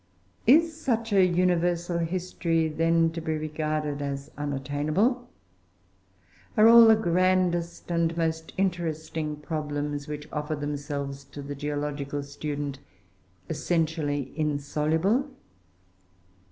Is such a universal history, then, to be regarded as unattainable? Are all the grandest and most interesting problems which offer themselves to the geological student, essentially insoluble?